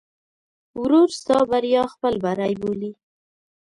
ورور ستا بریا خپل بری بولي.